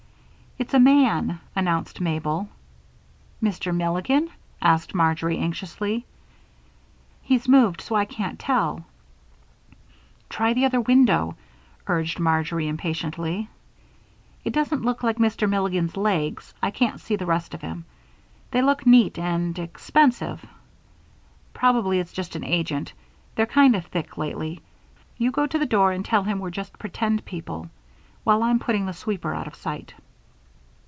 "It's a man," announced Mabel. "Mr. Milligan?" asked Marjory, anxiously. "He's moved so I can't tell." "Try the other window," urged Marjory, impatiently. "It doesn't look like Mr. Milligan's legs I can't see the rest of him. They look neat and and expensive." "Probably it's just an agent; they're kind of thick lately. You go to the door and tell him we're just pretend people, while I'm putting the sweeper out of sight."